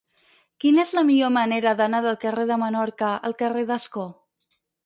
Quina és la millor manera d'anar del carrer de Menorca al carrer d'Ascó?